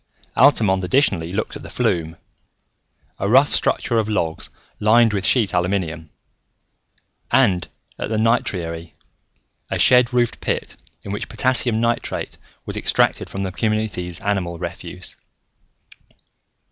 Altamont additionally looked at the flume, a rough structure of logs lined with sheet aluminum; and at the nitriary, a shed roofed pit in which potassium nitrate was extracted from the community's animal refuse.